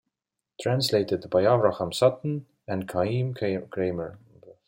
Translated by Avraham Sutton and Chaim Kramer.